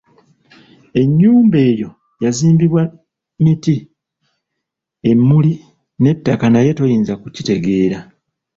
Ennyumba eyo yazimbibwa miti, emmuli n'ettaka naye toyinza kukitegeera.